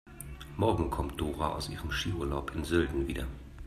Morgen kommt Dora aus ihrem Skiurlaub in Sölden wieder.